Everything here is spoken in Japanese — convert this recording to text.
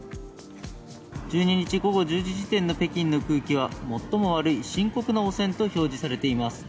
１２日午後１２時時点の北京の空気は最も悪い、深刻な汚染と表示されています。